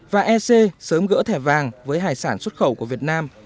và ec sớm gỡ thẻ vàng với hải sản xuất khẩu của việt nam